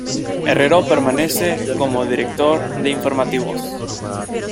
Herrero permanece como director de Informativos.